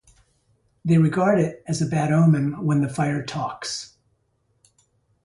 They regard it as a bad omen when the fire talks.